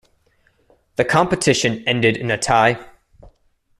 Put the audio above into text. The competition ended in a tie.